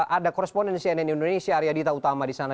ada koresponden cnn indonesia arya dita utama di sana